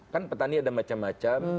kan petani ada macam macam